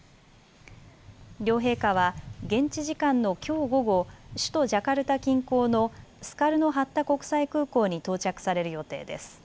両陛下は現地時間のきょう午後、首都ジャカルタ近郊のスカルノ・ハッタ国際空港に到着される予定です。